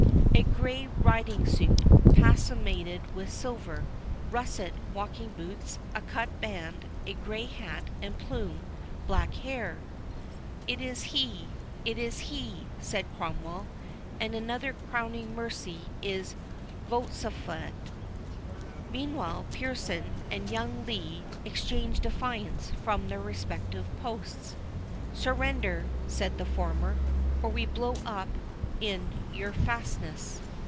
"A grey riding suit, passmented with silver, russet walking boots, a cut band, a grey hat and plume, black hair." "It is he, it is he!" said Cromwell; "and another crowning mercy is vouchsafed!" Meantime, Pearson and young Lee exchanged defiance from their respective posts. "Surrender," said the former, "or we blow you up in your fastness."